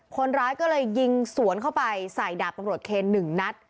คนร้ายก็เลยยิงสวนเข้าไปใส่ดาบตำรวจเคน๑นัด